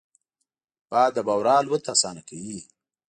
باد د بورا الوت اسانه کوي